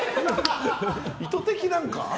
意図的なんか？